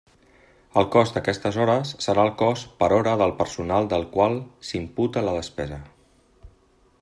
El cost d'aquestes hores serà el cost per hora del personal del qual s'imputa la despesa.